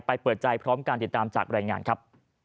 เปิดใจพร้อมการติดตามจากรายงานครับ